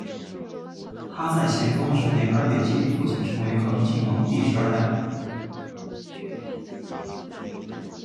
他在咸丰十年二月接替父亲成为恒亲王第十二代。